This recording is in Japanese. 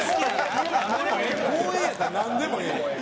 公園やったらなんでもええんや。